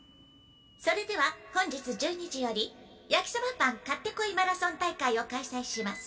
それでは本日１２時より焼きそばパン買ってこいマラソン大会を開催します。